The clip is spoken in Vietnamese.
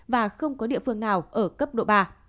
và không có địa phương nào ở cấp độ ba